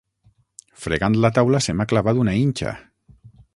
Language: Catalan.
Fregant la taula se m'ha clavat una inxa.